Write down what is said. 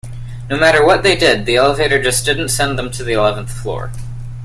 No matter what they did, the elevator just didn't send them to the eleventh floor.